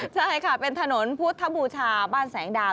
ใช่ค่ะเป็นถนนพุทธบูชาบ้านแสงดาว